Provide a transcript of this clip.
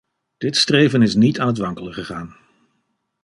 Dit streven is niet aan het wankelen gegaan.